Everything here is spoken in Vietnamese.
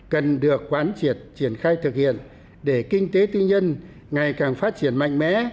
cần được quán triệt triển khai thực hiện để kinh tế tư nhân ngày càng phát triển mạnh mẽ